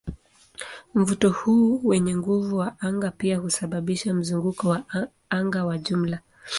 Mvuto huu wenye nguvu wa anga pia husababisha mzunguko wa anga wa jumla.